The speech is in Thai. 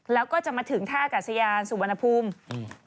แล้วก็จะมาถึงท่ากาศยานสุวรรณภูมิ